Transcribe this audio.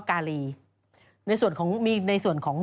จุดเอาชิ้นหนึ่ง